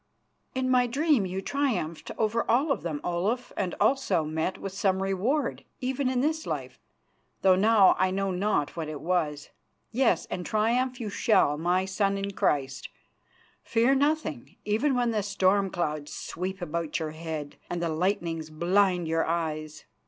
"In my dream you triumphed over all of them, Olaf, and also met with some reward even in this life, though now I know not what it was. Yes, and triumph you shall, my son in Christ. Fear nothing, even when the storm clouds sweep about your head and the lightnings blind your eyes.